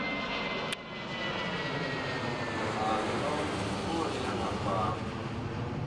A lɔm mɔlyaŋ a paam.